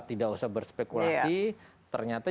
tidak usah berspekulasi ternyata